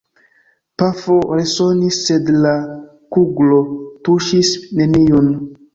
Pafo resonis; sed la kuglo tuŝis neniun.